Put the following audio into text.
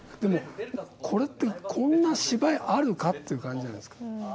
これってこんな芝居あるか？という感じじゃないですか。